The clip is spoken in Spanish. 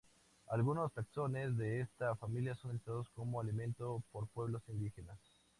Algunos taxones de esta familia son utilizados como alimento por pueblos indígenas.